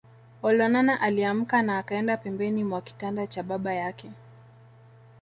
Olonana aliamka na akaenda pembeni mwa kitanda cha baba yake